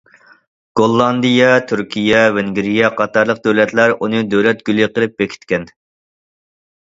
گوللاندىيە، تۈركىيە، ۋېنگىرىيە قاتارلىق دۆلەتلەر ئۇنى دۆلەت گۈلى قىلىپ بېكىتكەن.